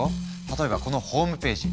例えばこのホームページ。